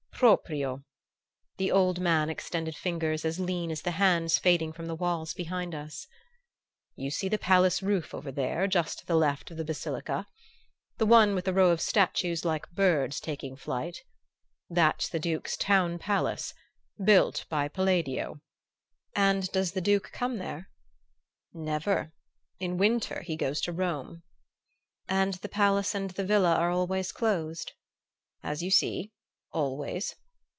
"Proprio!" The old man extended fingers as lean as the hands fading from the walls behind us. "You see the palace roof over there, just to the left of the Basilica? The one with the row of statues like birds taking flight? That's the Duke's town palace, built by Palladio." "And does the Duke come there?" "Never. In winter he goes to Rome." "And the palace and the villa are always closed?" "As you see always."